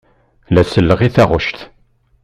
La selleɣ i taɣect.